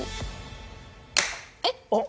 えっ？